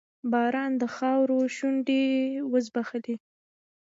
باران د خاورو شونډې وځبیښلې